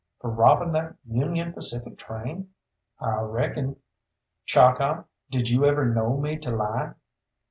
"For robbing that Union Pacific train?" "I reckon." "Chalkeye, did you ever know me to lie?"